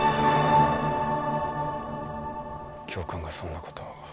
教官がそんなことを。